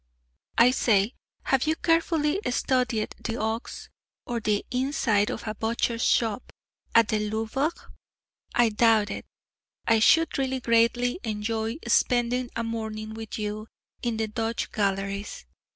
I say, have you carefully studied "The Ox," or "The Inside of a Butcher's Shop" at the Louvre? I doubt it. I should really greatly enjoy spending a morning with you in the Dutch Galleries.